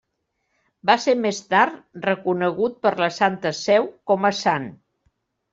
Va ser més tard reconegut per la Santa Seu com a sant.